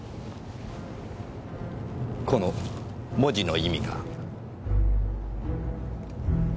この文字の意味が。